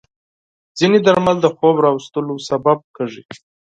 ځینې درمل د خوب راوستلو سبب کېږي.